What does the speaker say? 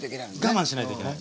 我慢しないといけない。